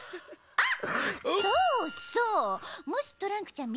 あっ。